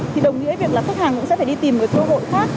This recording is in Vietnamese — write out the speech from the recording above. thì đồng nghĩa việc là khách hàng cũng sẽ phải đi tìm một cơ hội khác